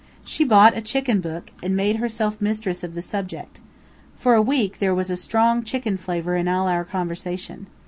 She bought a chicken book, and made herself mistress of the subject. For a week, there was a strong chicken flavor in all our conversation.